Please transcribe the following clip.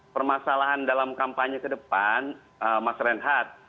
permasalahan dalam kampanye ke depan mas renhat